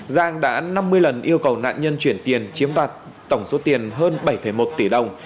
giang đã năm mươi lần yêu cầu nạn nhân chuyển tiền chiếm đoạt tổng số tiền hơn bảy một tỷ đồng